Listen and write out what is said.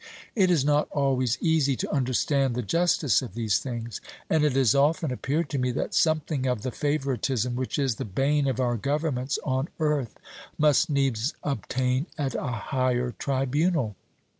It is not always easy to understand the justice of these things: and it has often appeared to me that something of the favouritism which is the bane of our governments on earth must needs obtain at a higher tribunal.